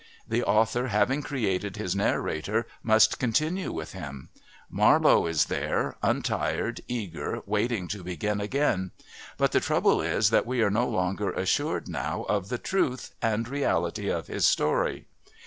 The author having created his narrator must continue with him. Marlowe is there, untired, eager, waiting to begin again. But the trouble is that we are no longer assured now of the truth and reality of his story.